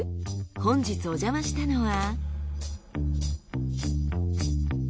本日お邪魔したのは。